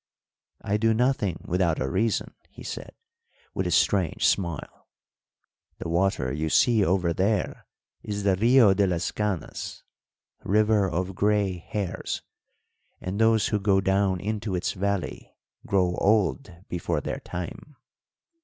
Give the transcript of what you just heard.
"I do nothing without a reason," he said, with a strange smile. "The water you see over there is the Rio de las Canas [River of Grey Hairs], and those who go down into its valley grow old before their time."